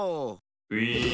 ウィーン。